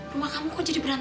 gue kan yang omdat ofisial